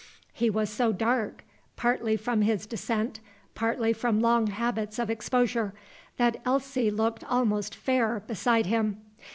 He was so dark, partly from his descent, partly from long habits of exposure, that Elsie looked almost fair beside him.